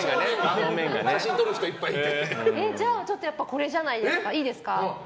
じゃあ、これじゃないですか。